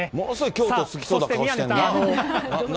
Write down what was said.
京都好きそうな顔してんな。